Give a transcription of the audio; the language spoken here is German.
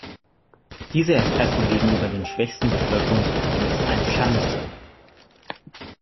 Diese Erpressung gegenüber den schwächsten Bevölkerungsgruppen ist eine Schande.